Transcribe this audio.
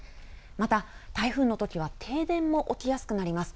また、台風のときは停電も起きやすくなります。